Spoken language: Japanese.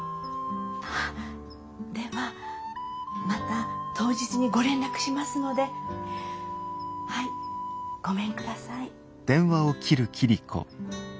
ではまた当日にご連絡しますのではいごめんください。